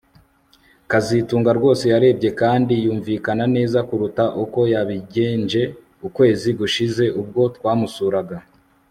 kazitunga rwose yarebye kandi yumvikana neza kuruta uko yabigenje ukwezi gushize ubwo twamusuraga